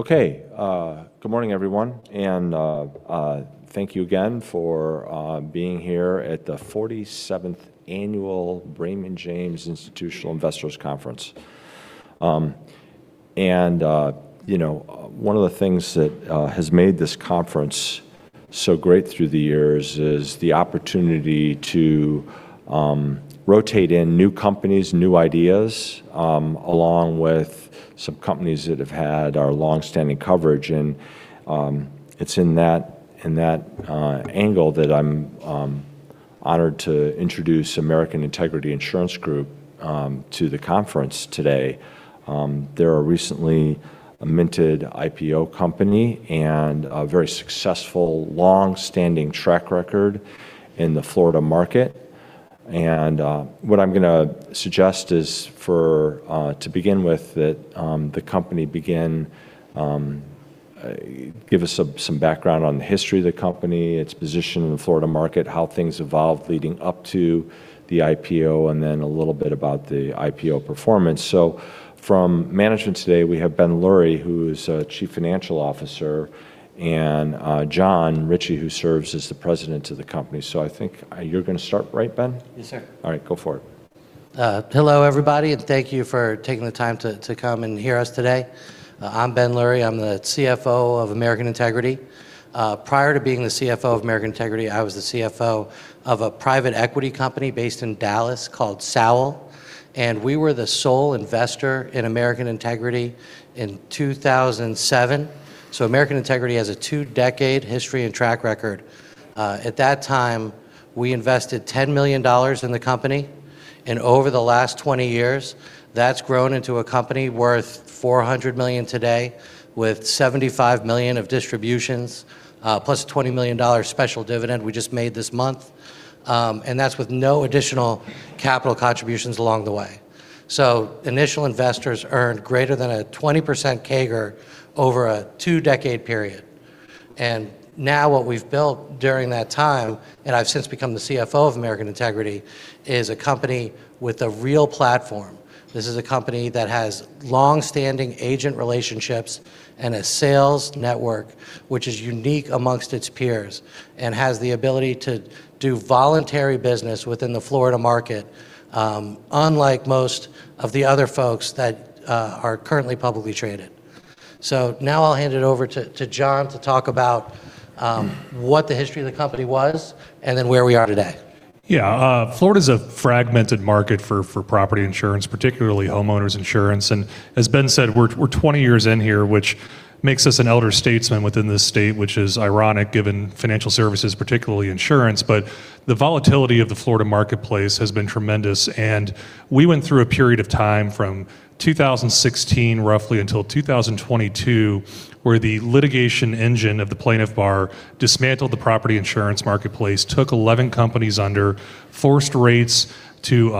Okay, good morning, everyone, and thank you again for being here at the 47th Annual Raymond James Institutional Investors Conference. You know, one of the things that has made this conference so great through the years is the opportunity to rotate in new companies, new ideas, along with some companies that have had our long-standing coverage. It's in that angle that I'm honored to introduce American Integrity Insurance Group to the conference today. They're a recently minted IPO company and a very successful long-standing track record in the Florida market. What I'm gonna suggest is for to begin with, that the company begin give us some background on the history of the company, its position in the Florida market, how things evolved leading up to the IPO, and then a little bit about the IPO performance. From management today, we have Ben Lurie, who is Chief Financial Officer, and Jon Ritchie, who serves as the President of the company. I think you're gonna start, right, Ben? Yes, sir. All right. Go for it. Hello, everybody, and thank you for taking the time to come and hear us today. I'm Ben Lurie. I'm the CFO of American Integrity. Prior to being the CFO of American Integrity, I was the CFO of a private equity company based in Dallas called Sewell, and we were the sole investor in American Integrity in 2007. American Integrity has a 2-decade history and track record. At that time, we invested $10 million in the company, and over the last 20 years, that's grown into a company worth $400 million today, with $75 million of distributions, plus a $20 million special dividend we just made this month, and that's with no additional capital contributions along the way. Initial investors earned greater than a 20% CAGR over a 2-decade period. Now what we've built during that time, and I've since become the CFO of American Integrity, is a company with a real platform. This is a company that has long-standing agent relationships and a sales network which is unique amongst its peers and has the ability to do voluntary business within the Florida market, unlike most of the other folks that are currently publicly traded. Now I'll hand it over to Jon to talk about, what the history of the company was and then where we are today. Yeah. Florida's a fragmented market for property insurance, particularly homeowners insurance. As Ben said, we're 20 years in here, which makes us an elder statesman within this state, which is ironic given financial services, particularly insurance. The volatility of the Florida marketplace has been tremendous. We went through a period of time from 2016 roughly until 2022 where the litigation engine of the plaintiff bar dismantled the property insurance marketplace, took 11 companies under, forced rates to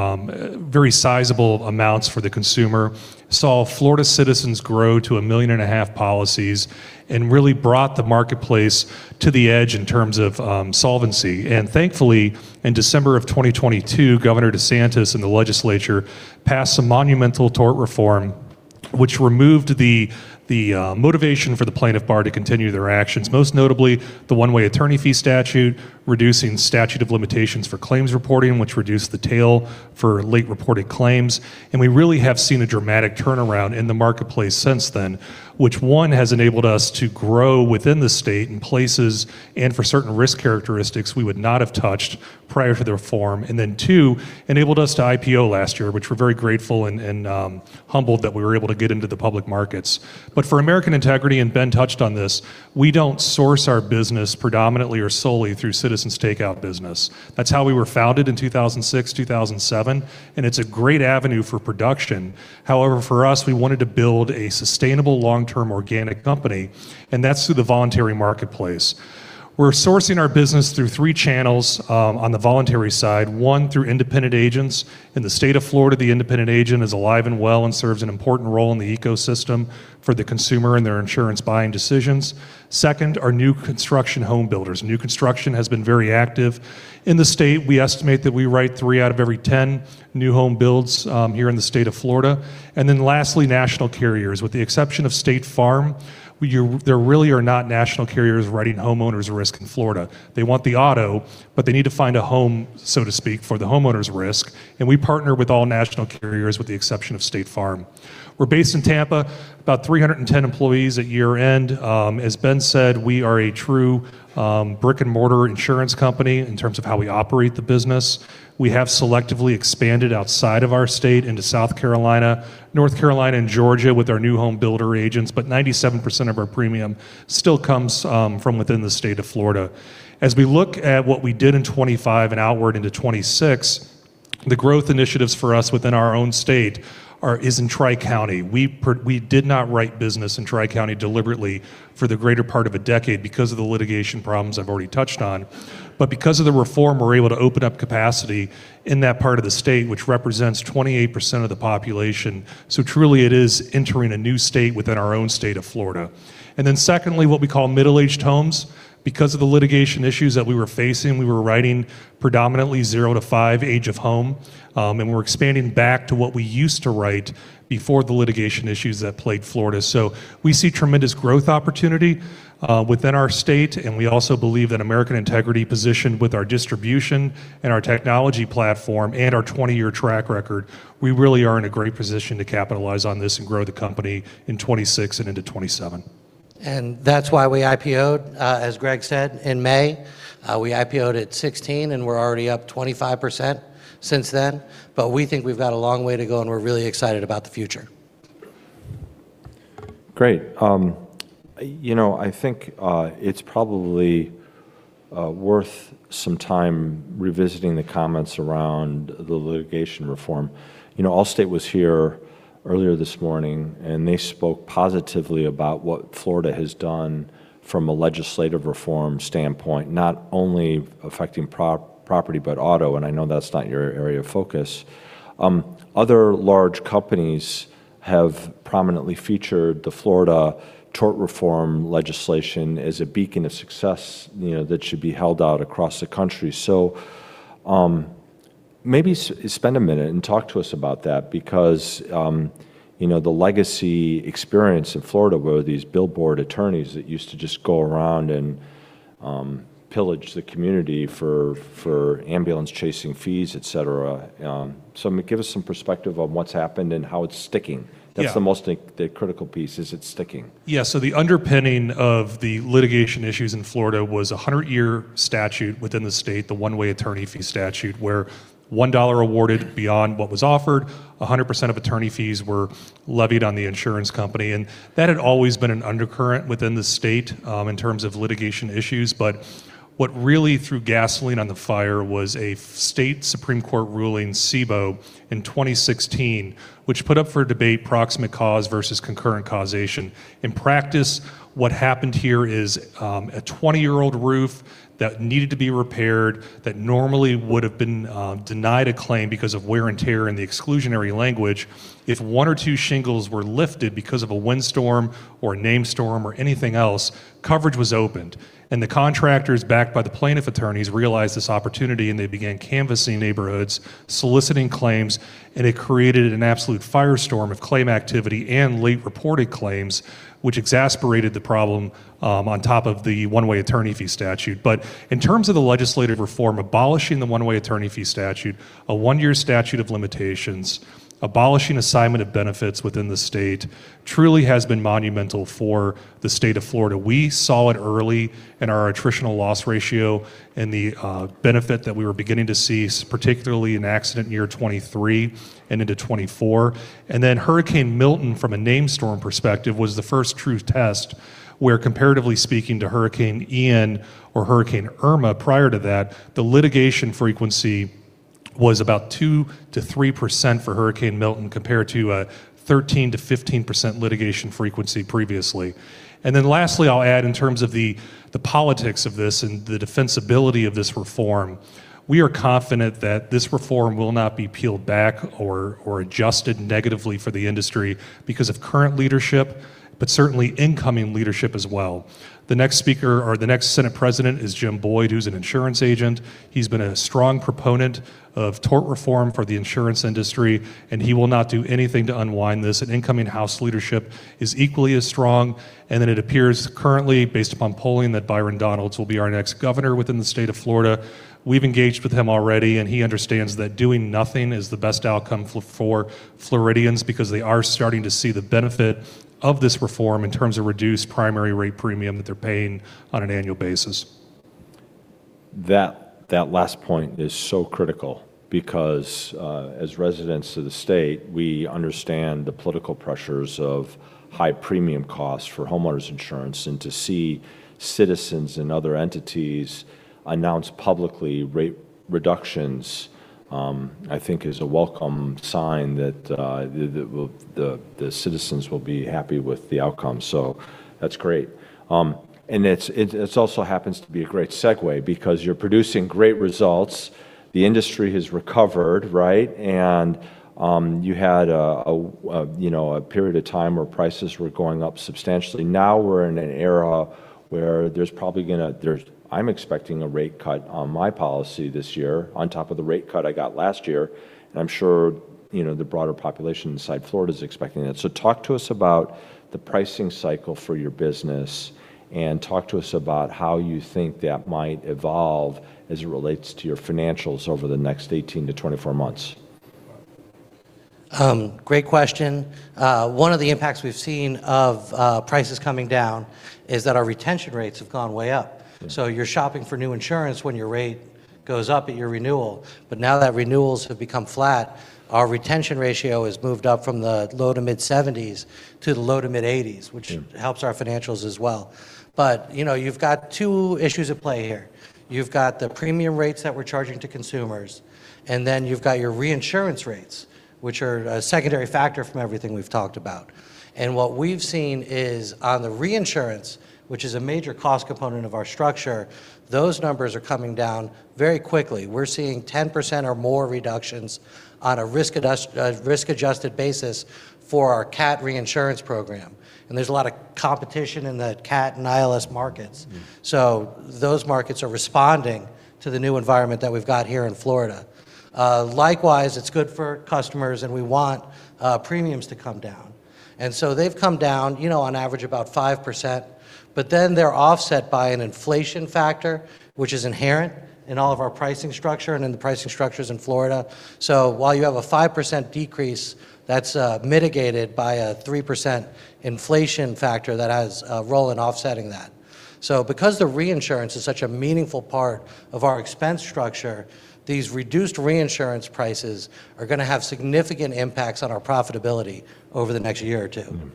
very sizable amounts for the consumer, saw Citizens grow to 1.5 million policies, and really brought the marketplace to the edge in terms of solvency. Thankfully, in December of 2022, Governor DeSantis and the legislature passed some monumental tort reform which removed the motivation for the plaintiff bar to continue their actions, most notably the one-way attorney fee statute, reducing statute of limitations for claims reporting, which reduced the tail for late-reported claims. We really have seen a dramatic turnaround in the marketplace since then, which, 1, has enabled us to grow within the state in places and for certain risk characteristics we would not have touched prior to the reform, and then, 2, enabled us to IPO last year, which we're very grateful and humbled that we were able to get into the public markets. For American Integrity, and Ben touched on this, we don't source our business predominantly or solely through Citizens takeout business. That's how we were founded in 2006, 2007. It's a great avenue for production. However, for us, we wanted to build a sustainable long-term organic company, and that's through the voluntary marketplace. We're sourcing our business through three channels on the voluntary side. One, through independent agents. In the state of Florida, the independent agent is alive and well and serves an important role in the ecosystem for the consumer and their insurance buying decisions. Second are new construction home builders. New construction has been very active in the state. We estimate that we write 3 out of every 10 new home builds here in the state of Florida. Lastly, national carriers. With the exception of State Farm, there really are not national carriers writing homeowners risk in Florida. They want the auto, but they need to find a home, so to speak, for the homeowners risk, and we partner with all national carriers with the exception of State Farm. We're based in Tampa, about 310 employees at year-end. As Ben said, we are a true, brick-and-mortar insurance company in terms of how we operate the business. We have selectively expanded outside of our state into South Carolina, North Carolina, and Georgia with our new home builder agents, but 97% of our premium still comes from within the state of Florida. As we look at what we did in 2025 and outward into 2026, the growth initiatives for us within our own state is in Tri-County. We did not write business in Tri-County deliberately for the greater part of a decade because of the litigation problems I've already touched on. Because of the reform, we're able to open up capacity in that part of the state, which represents 28% of the population. Truly it is entering a new state within our own state of Florida. Secondly, what we call middle-aged homes because of the litigation issues that we were facing, we were writing predominantly 0 to 5 age of home, and we're expanding back to what we used to write before the litigation issues that plagued Florida. We see tremendous growth opportunity, within our state, and we also believe that American Integrity positioned with our distribution and our technology platform and our 20-year track record, we really are in a great position to capitalize on this and grow the company in 2026 and into 2027. That's why we IPO'd, as Greg said, in May. We IPO'd at $16, and we're already up 25% since then. We think we've got a long way to go, and we're really excited about the future. Great. You know, I think it's probably worth some time revisiting the comments around the litigation reform. You know, Allstate was here earlier this morning, and they spoke positively about what Florida has done from a legislative reform standpoint, not only affecting pro-property, but auto, and I know that's not your area of focus. Other large companies have prominently featured the Florida tort reform legislation as a beacon of success, you know, that should be held out across the country. Maybe spend a minute and talk to us about that because, you know, the legacy experience in Florida were these billboard attorneys that used to just go around and pillage the community for ambulance-chasing fees, et cetera. Give us some perspective on what's happened and how it's sticking. Yeah. That's the most, the critical piece is it's sticking. The underpinning of the litigation issues in Florida was a 100-year statute within the state, the one-way attorney fee statute, where $1 awarded beyond what was offered, 100% of attorney fees were levied on the insurance company. That had always been an undercurrent within the state in terms of litigation issues. What really threw gasoline on the fire was a state Supreme Court ruling, Sebo, in 2016, which put up for debate proximate cause versus concurrent causation. In practice, what happened here is a 20-year-old roof that needed to be repaired that normally would have been denied a claim because of wear and tear and the exclusionary language. If 1 or 2 shingles were lifted because of a windstorm or a named storm or anything else, coverage was opened. The contractors, backed by the plaintiff attorneys, realized this opportunity, and they began canvassing neighborhoods, soliciting claims, and it created an absolute firestorm of claim activity and late reported claims, which exacerbated the problem on top of the one-way attorney fee statute. In terms of the legislative reform, abolishing the one-way attorney fee statute, a 1-year statute of limitations, abolishing Assignment of Benefits within the state truly has been monumental for the state of Florida. We saw it early in our attritional loss ratio and the benefit that we were beginning to see, particularly in accident year 2023 and into 2024. Hurricane Milton, from a named storm perspective, was the first true test where comparatively speaking to Hurricane Ian or Hurricane Irma prior to that, the litigation frequency was about 2%-3% for Hurricane Milton compared to a 13%-15% litigation frequency previously. Lastly, I'll add in terms of the politics of this and the defensibility of this reform, we are confident that this reform will not be peeled back or adjusted negatively for the industry because of current leadership, but certainly incoming leadership as well. The next speaker or the next Senate President is Jim Boyd, who's an insurance agent. He's been a strong proponent of tort reform for the insurance industry, and he will not do anything to unwind this. Incoming House leadership is equally as strong, and then it appears currently, based upon polling, that Byron Donalds will be our next governor within the state of Florida. We've engaged with him already, and he understands that doing nothing is the best outcome for Floridians because they are starting to see the benefit of this reform in terms of reduced primary rate premium that they're paying on an annual basis. That last point is so critical because as residents of the state, we understand the political pressures of high premium costs for homeowners insurance. To see Citizens and other entities announce publicly rate reductions, I think is a welcome sign that the citizens will be happy with the outcome. That's great. It also happens to be a great segue because you're producing great results. The industry has recovered, right? You had a, you know, a period of time where prices were going up substantially. Now we're in an era where I'm expecting a rate cut on my policy this year on top of the rate cut I got last year. I'm sure, you know, the broader population inside Florida is expecting that. Talk to us about the pricing cycle for your business and talk to us about how you think that might evolve as it relates to your financials over the next 18 to 24 months. Great question. One of the impacts we've seen of prices coming down is that our retention rates have gone way up. So you're shopping for new insurance when your rate goes up at your renewal. Now that renewals have become flat, our retention ratio has moved up from the low to mid-70s to the low to mid-80s, which helps our financials as well. You know, you've got two issues at play here. You've got the premium rates that we're charging to consumers, and then you've got your reinsurance rates, which are a secondary factor from everything we've talked about. What we've seen is on the reinsurance, which is a major cost component of our structure, those numbers are coming down very quickly. We're seeing 10% or more reductions on a risk-adjusted basis for our cat reinsurance program. There's a lot of competition in the cat and ILS markets. Mm. Those markets are responding to the new environment that we've got here in Florida. Likewise, it's good for customers, and we want premiums to come down. They've come down, you know, on average about 5%, but then they're offset by an inflation factor, which is inherent in all of our pricing structure and in the pricing structures in Florida. While you have a 5% decrease, that's mitigated by a 3% inflation factor that has a role in offsetting that. Because the reinsurance is such a meaningful part of our expense structure, these reduced reinsurance prices are gonna have significant impacts on our profitability over the next year or two.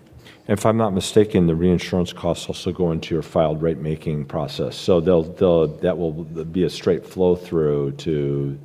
If I'm not mistaken, the reinsurance costs also go into your filed rate making process. That will be a straight flow through to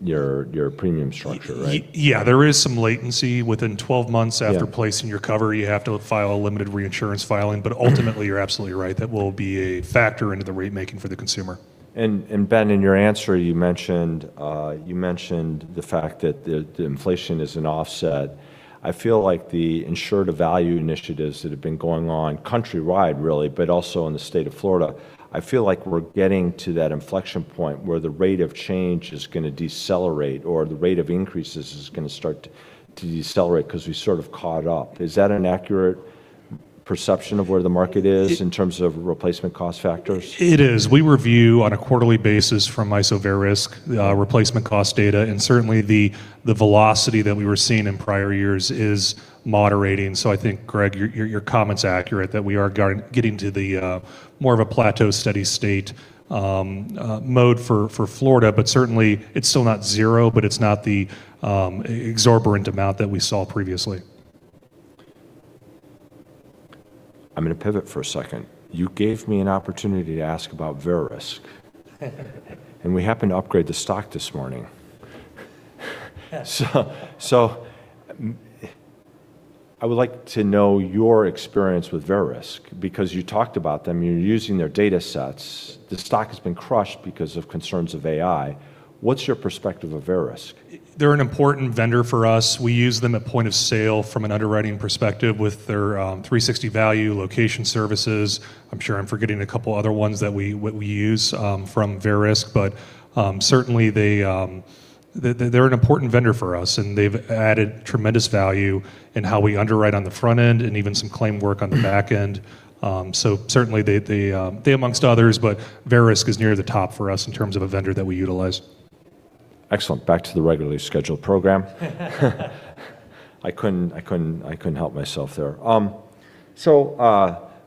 your premium structure, right? Yeah, there is some latency within 12 months after- Yeah... placing your cover. You have to file a limited reinsurance filing. Ultimately, you're absolutely right. That will be a factor into the rate making for the consumer. Ben, in your answer, you mentioned the fact that the inflation is an offset. I feel like the insured value initiatives that have been going on countrywide really, but also in the state of Florida, I feel like we're getting to that inflection point where the rate of change is gonna decelerate, or the rate of increases is gonna start to decelerate 'cause we sort of caught up. Is that an accurate perception of where the market is in terms of replacement cost factors? It is. We review on a quarterly basis from ISO Verisk, replacement cost data, certainly the velocity that we were seeing in prior years is moderating. I think, Greg, your comment's accurate that we are getting to the more of a plateau steady-state mode for Florida, certainly it's still not zero, it's not the exorbitant amount that we saw previously. I'm gonna pivot for a second. You gave me an opportunity to ask about Verisk. We happened to upgrade the stock this morning. I would like to know your experience with Verisk because you talked about them, you're using their datasets. The stock has been crushed because of concerns of AI. What's your perspective of Verisk? They're an important vendor for us. We use them at point of sale from an underwriting perspective with their 360Value location services. I'm sure I'm forgetting a couple other ones that we use from Verisk. Certainly they're an important vendor for us, and they've added tremendous value in how we underwrite on the front end and even some claim work on the back end. Certainly they amongst others, but Verisk is near the top for us in terms of a vendor that we utilize. Excellent. Back to the regularly scheduled program. I couldn't help myself there.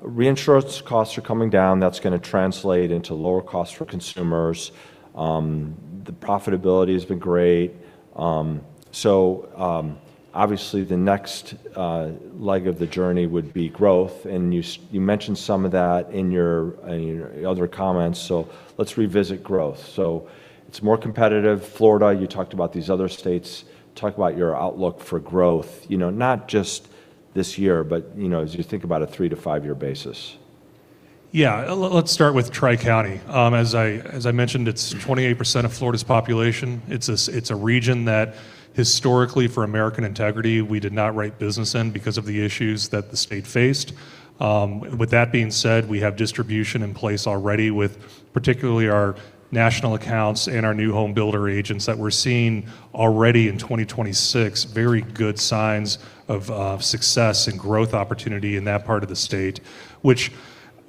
Reinsurance costs are coming down. That's gonna translate into lower costs for consumers. The profitability has been great. Obviously the next leg of the journey would be growth. You mentioned some of that in your, in your other comments, so let's revisit growth. It's more competitive. Florida, you talked about these other states. Talk about your outlook for growth, you know, not just this year, but, you know, as you think about a three to five-year basis. Let's start with Tri-County. As I mentioned, it's 28% of Florida's population. It's a region that historically for American Integrity, we did not write business in because of the issues that the state faced. With that being said, we have distribution in place already with particularly our national accounts and our new home builder agents that we're seeing already in 2026 very good signs of success and growth opportunity in that part of the state, which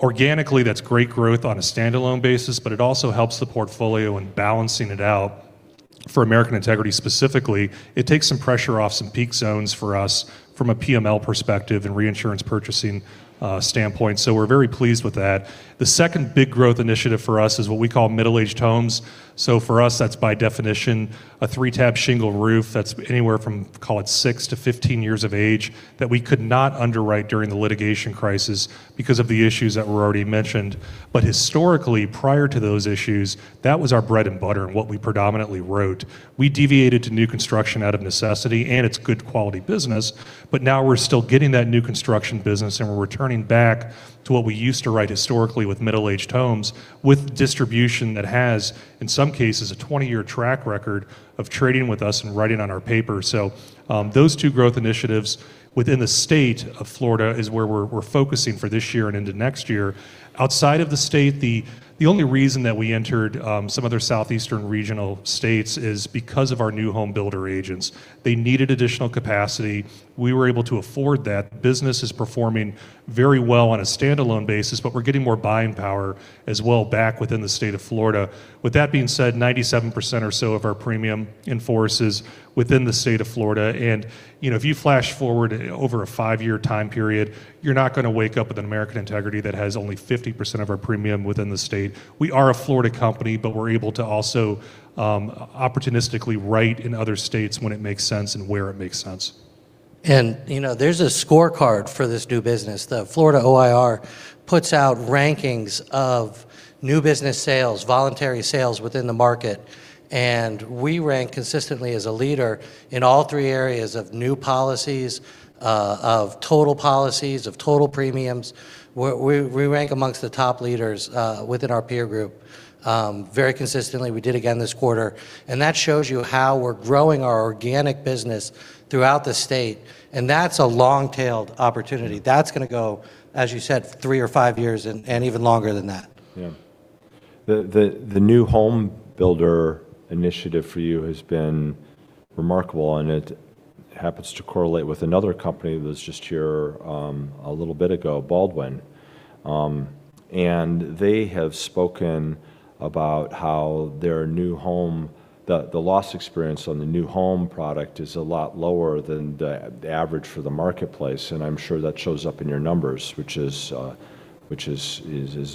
organically that's great growth on a standalone basis, it also helps the portfolio in balancing it out. For American Integrity specifically, it takes some pressure off some peak zones for us from a PML perspective and reinsurance purchasing standpoint. We're very pleased with that. The second big growth initiative for us is what we call middle-aged homes. For us, that's by definition a three-tab shingle roof that's anywhere from, call it 6-15 years of age that we could not underwrite during the litigation crisis because of the issues that were already mentioned. Historically, prior to those issues, that was our bread and butter and what we predominantly wrote. We deviated to new construction out of necessity, and it's good quality business, but now we're still getting that new construction business, and we're returning back to what we used to write historically with middle-aged homes with distribution that has, in some cases, a 20-year track record of trading with us and writing on our paper. Those two growth initiatives within the state of Florida is where we're focusing for this year and into next year. Outside of the state, the only reason that we entered some other southeastern regional states is because of our new home builder agents. They needed additional capacity. We were able to afford that. Business is performing very well on a standalone basis, but we're getting more buying power as well back within the state of Florida. With that being said, 97% or so of our premium in force is within the state of Florida. You know, if you flash forward over a five-year time period, you're not gonna wake up with an American Integrity that has only 50% of our premium within the state. We are a Florida company, but we're able to also opportunistically write in other states when it makes sense and where it makes sense. You know, there's a scorecard for this new business. The Florida OIR puts out rankings of new business sales, voluntary sales within the market, and we rank consistently as a leader in all three areas of new policies, of total policies, of total premiums. We rank amongst the top leaders within our peer group, very consistently. We did again this quarter. That shows you how we're growing our organic business throughout the state. That's a long-tailed opportunity. That's gonna go, as you said, three or five years and even longer than that. The new home builder initiative for you has been remarkable, and it happens to correlate with another company that was just here a little bit ago, Baldwin. They have spoken about how their new home product is a lot lower than the average for the marketplace, and I'm sure that shows up in your numbers, which is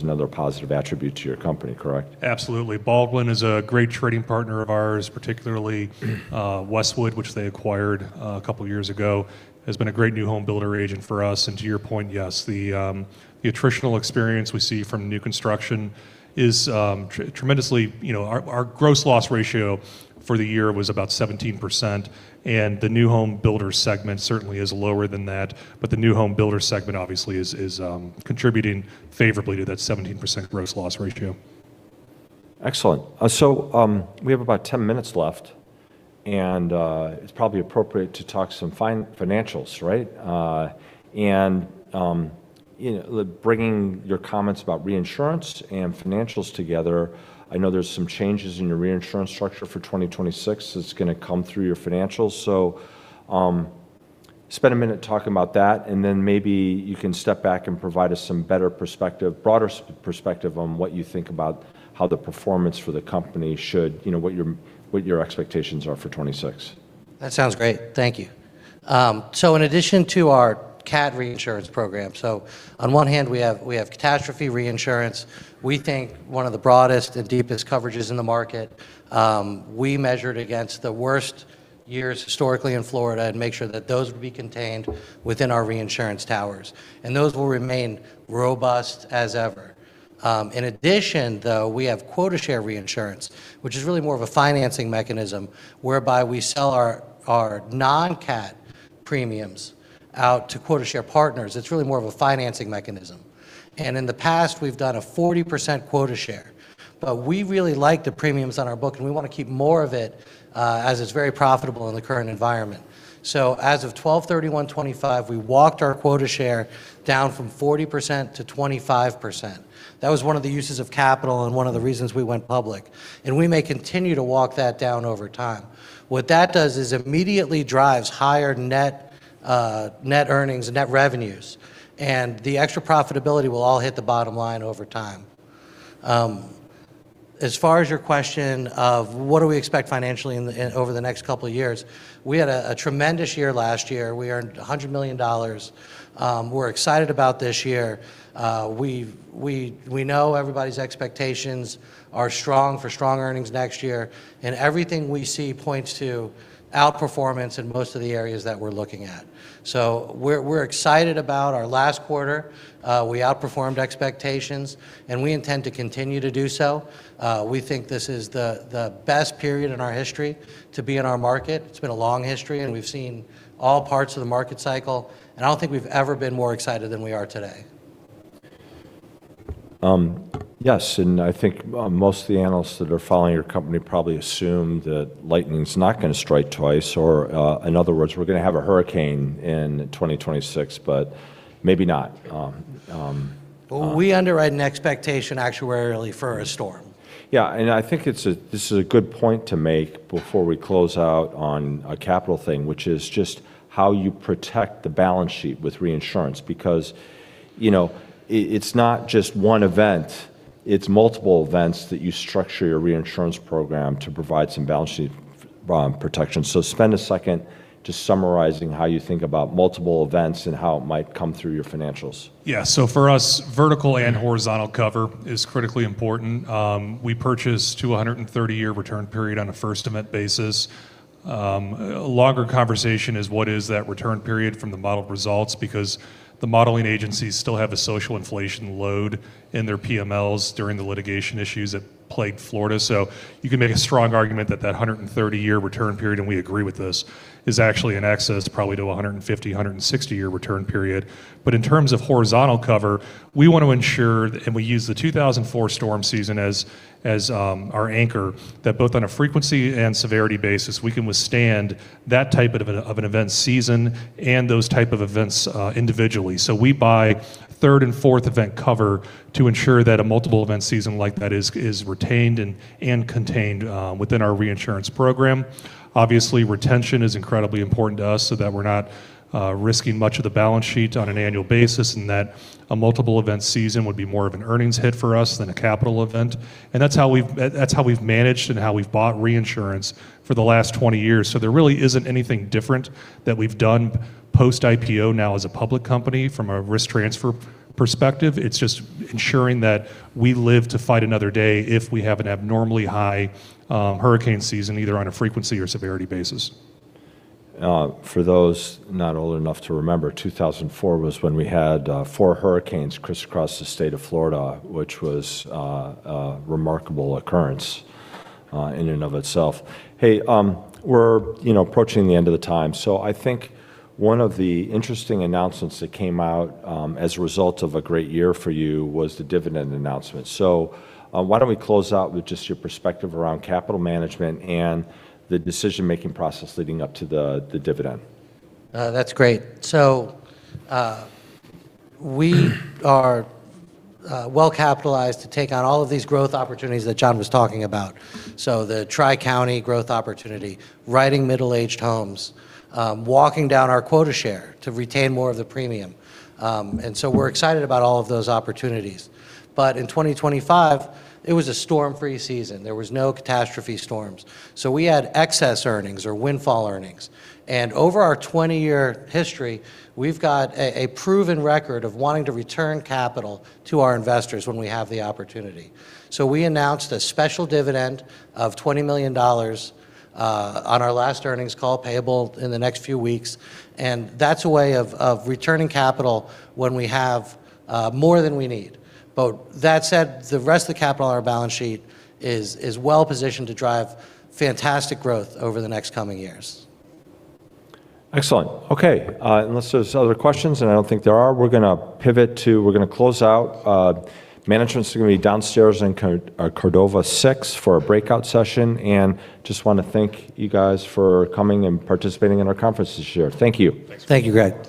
another positive attribute to your company, correct? Absolutely. Baldwin is a great trading partner of ours, particularly, Westwood, which they acquired a couple of years ago, has been a great new home builder agent for us. To your point, yes, the attritional experience we see from new construction is tremendously. You know, our gross loss ratio for the year was about 17%, the new home builder segment certainly is lower than that. The new home builder segment obviously is contributing favorably to that 17% gross loss ratio. Excellent. We have about 10 minutes left, it's probably appropriate to talk some financials, right? You know, bringing your comments about reinsurance and financials together, I know there's some changes in your reinsurance structure for 2026 that's gonna come through your financials. Spend a minute talking about that, and then maybe you can step back and provide us some better perspective, broader perspective on what you think about how the performance for the company should, you know, what your, what your expectations are for 2026. That sounds great. Thank you. In addition to our cat reinsurance program, so on one hand, we have catastrophe reinsurance. We think one of the broadest and deepest coverages in the market. We measured against the worst years historically in Florida and make sure that those would be contained within our reinsurance towers, and those will remain robust as ever. In addition, though, we have quota share reinsurance, which is really more of a financing mechanism whereby we sell our non-cat premiums out to quota share partners. It's really more of a financing mechanism. In the past, we've done a 40% quota share, but we really like the premiums on our book, and we wanna keep more of it, as it's very profitable in the current environment. As of 12/31/2025, we walked our quota share down from 40% to 25%. That was one of the uses of capital and one of the reasons we went public, and we may continue to walk that down over time. What that does is immediately drives higher net net earnings and net revenues, and the extra profitability will all hit the bottom line over time. As far as your question of what do we expect financially over the next couple of years, we had a tremendous year last year. We earned $100 million. We're excited about this year. We, we know everybody's expectations are strong for strong earnings next year, and everything we see points to outperformance in most of the areas that we're looking at. We're excited about our last quarter. We outperformed expectations. We intend to continue to do so. We think this is the best period in our history to be in our market. It's been a long history. We've seen all parts of the market cycle. I don't think we've ever been more excited than we are today. Yes, and I think most of the analysts that are following your company probably assume that lightning's not gonna strike twice or, in other words, we're gonna have a hurricane in 2026, but maybe not. Well, we underwrite an expectation actuarially for a storm. I think it's this is a good point to make before we close out on a capital thing, which is just how you protect the balance sheet with reinsurance because, you know, it's not just one event, it's multiple events that you structure your reinsurance program to provide some balance sheet protection. Spend a second just summarizing how you think about multiple events and how it might come through your financials. For us, vertical and horizontal cover is critically important. We purchase to a 130-year return period on a first event basis. A longer conversation is what is that return period from the modeled results because the modeling agencies still have a social inflation load in their PMLs during the litigation issues that plagued Florida. You can make a strong argument that that 130-year return period, and we agree with this, is actually in excess probably to a 150-year, 160-year return period. In terms of horizontal cover, we want to ensure, and we use the 2004 storm season as our anchor, that both on a frequency and severity basis, we can withstand that type of an event season and those type of events individually. We buy third and fourth event cover to ensure that a multiple event season like that is retained and contained within our reinsurance program. Obviously, retention is incredibly important to us so that we're not risking much of the balance sheet on an annual basis and that a multiple event season would be more of an earnings hit for us than a capital event. That's how we've managed and how we've bought reinsurance for the last 20 years. There really isn't anything different that we've done post-IPO now as a public company from a risk transfer perspective. It's just ensuring that we live to fight another day if we have an abnormally high hurricane season, either on a frequency or severity basis. For those not old enough to remember, 2004 was when we had four hurricanes crisscross the state of Florida, which was a remarkable occurrence in and of itself. We're, you know, approaching the end of the time. I think one of the interesting announcements that came out as a result of a great year for you was the dividend announcement. Why don't we close out with just your perspective around capital management and the decision-making process leading up to the dividend? That's great. We are well-capitalized to take on all of these growth opportunities that Jon was talking about. The Tri-County growth opportunity, writing middle-aged homes, walking down our quota share to retain more of the premium. We're excited about all of those opportunities. In 2025, it was a storm-free season. There was no catastrophe storms. We had excess earnings or windfall earnings. Over our 20-year history, we've got a proven record of wanting to return capital to our investors when we have the opportunity. We announced a special dividend of $20 million on our last earnings call payable in the next few weeks, and that's a way of returning capital when we have more than we need. That said, the rest of the capital on our balance sheet is well positioned to drive fantastic growth over the next coming years. Excellent. Okay. Unless there's other questions, and I don't think there are, we're gonna pivot. We're gonna close out. Management's gonna be downstairs in Cordova 6 for a breakout session. Just wanna thank you guys for coming and participating in our conference this year. Thank you. Thanks. Thank you, Greg.